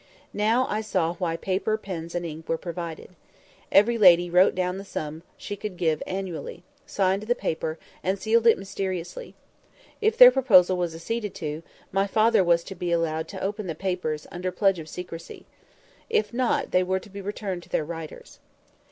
Now I saw why paper, pens, and ink were provided. Every lady wrote down the sum she could give annually, signed the paper, and sealed it mysteriously. If their proposal was acceded to, my father was to be allowed to open the papers, under pledge of secrecy. If not, they were to be returned to their writers.